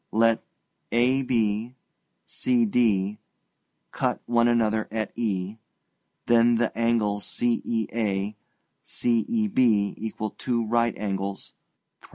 Let AB, CD, cut one another at E, then the angles CEA, CEB equal two right angles (prop.